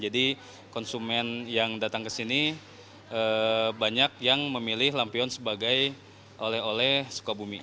jadi konsumen yang datang kesini banyak yang memilih lampion sebagai oleh oleh suka bumi